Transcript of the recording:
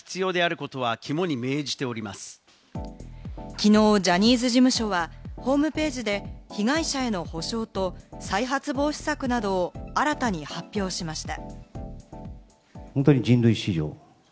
きのうジャニーズ事務所は、ホームページで被害者への補償と再発防止策などを新たに発表しました。